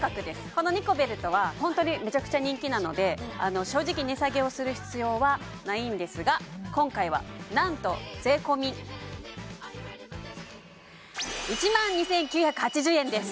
このニコベルトはホントにめちゃくちゃ人気なのであの正直値下げをする必要はないんですが今回は何と税込１２９８０円です